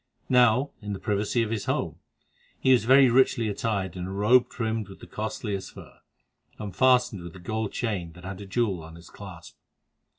Now, in the privacy of his home, he was very richly attired in a robe trimmed with the costliest fur, and fastened with a gold chain that had a jewel on its clasp.